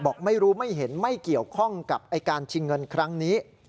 บอกไม่รู้ไม่เห็นไม่เกี่ยวข้องกับไอ้การชิงเงินครั้งนี้